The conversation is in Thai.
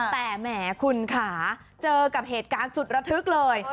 แต่แหมคุณค่ะเจอกับเหตุการณ์สุดระทึกเลย